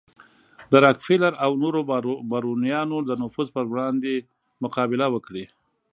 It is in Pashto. د راکفیلر او نورو بارونیانو د نفوذ پر وړاندې مقابله وکړي.